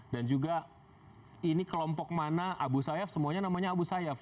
dan juga ini kelompok mana abu sayyaf semuanya namanya abu sayyaf